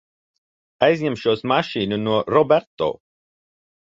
Aizņemšos mašīnu no Roberto.